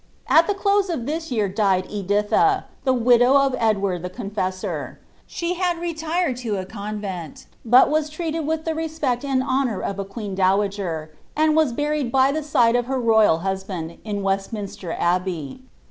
At the close of this year died Edilha, the widow of Edward the Con fessor. She had retired to a convent, hut was treated with the respect and honour of a queen dowager, and was buried by the side of her royal husband, in Westminster Abbey.